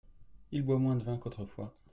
Il boit moins de vin qu’autrefois.